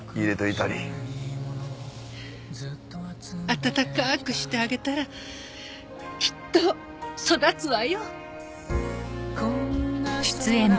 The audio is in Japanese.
あたたかくしてあげたらきっと育つわよ。